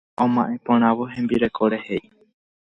Oma'ẽ porãvo hembirekóre he'i.